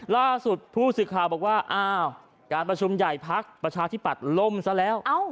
ล่าสุดผู้สื่อข่าวบอกว่าอ้าวการประชุมใหญ่พักประชาธิปัตย์ล่มซะแล้ว